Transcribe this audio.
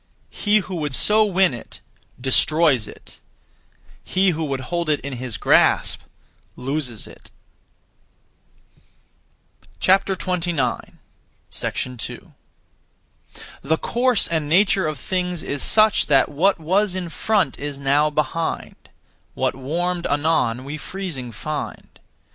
He who would so win it destroys it; he who would hold it in his grasp loses it. 2. The course and nature of things is such that What was in front is now behind; What warmed anon we freezing find.